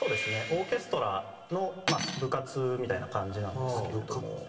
オーケストラの部活みたいな感じなんですけれども。